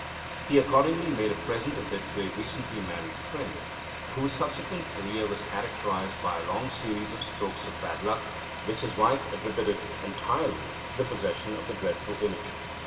He accordingly made a present of it to a recently married friend, whose subsequent career was characterised by a long series of strokes of bad luck, which his wife attributed entirely to the possession of the dreadful image.